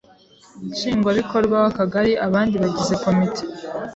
Nshingwabikorwa w’Akagari. Abandi bagize Komite